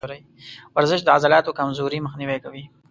ورزش د عضلاتو کمزوري مخنیوی کوي.